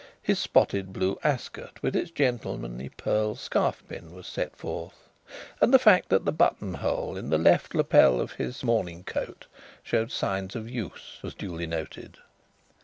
His spotted blue ascot, with its gentlemanly pearl scarfpin, was set forth, and the fact that the buttonhole in the left lapel of his morning coat showed signs of use was duly noted.